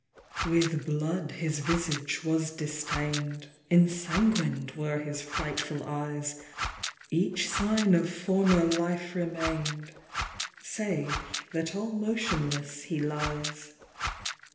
With blood his visage was distain'd, Ensanguin'd were his frightful eyes, Each sign of former life remain'd, Save that all motionless he lies.